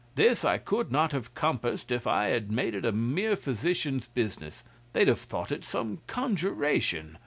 This I could not have compassed if I had made it a mere physician's business; they'd have thought it some conjuration.